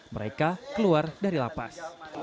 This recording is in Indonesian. mereka keluar dari lapas